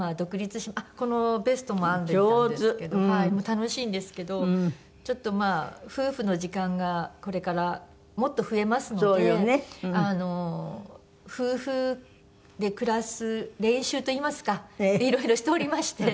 楽しいんですけどちょっとまあ夫婦の時間がこれからもっと増えますので夫婦で暮らす練習といいますかいろいろしておりまして。